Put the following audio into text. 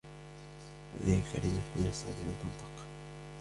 هذه الكلمة من الصعب أن تنطق.